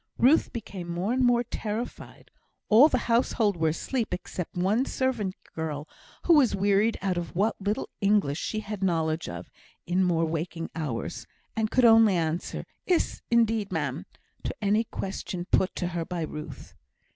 Ruth became more and more terrified; all the household were asleep except one servant girl, who was wearied out of what little English she had knowledge of in more waking hours, and she could only answer, "Iss, indeed, ma'am," to any question put to her by Ruth.